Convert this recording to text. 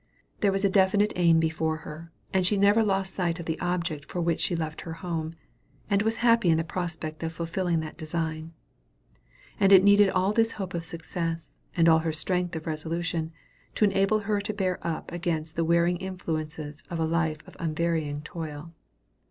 There was a definite aim before her, and she never lost sight of the object for which she left her home, and was happy in the prospect of fulfilling that design. And it needed all this hope of success, and all her strength of resolution, to enable her to bear up against the wearing influences of a life of unvarying toil.